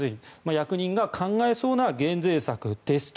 役人が考えそうな減税策ですと。